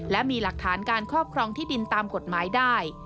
และมีหลักฐานการครอบครองที่ดินตามกฎหมายได้